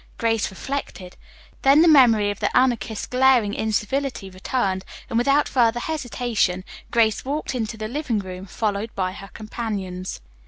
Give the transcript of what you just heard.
Grace reflected. Then the memory of the Anarchist's glaring incivility returned, and without further hesitation Grace walked into the living room, followed by her companions.